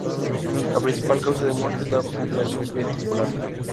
La principal causa de muerte es la fibrilación ventricular.